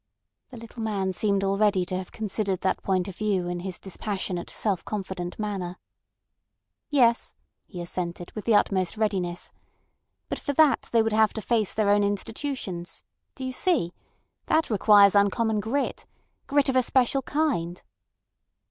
The little man seemed already to have considered that point of view in his dispassionate self confident manner. "Yes," he assented with the utmost readiness. "But for that they would have to face their own institutions. Do you see? That requires uncommon grit. Grit of a special kind."